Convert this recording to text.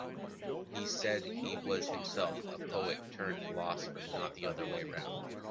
He said he was himself a poet turned philosopher, not the other way around.